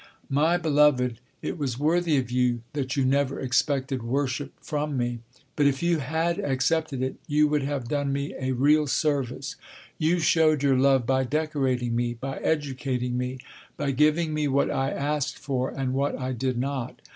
My beloved, it was worthy of you that you never expected worship from me. But if you had accepted it, you would have done me a real service. You showed your love by decorating me, by educating me, by giving me what I asked for, and what I did not.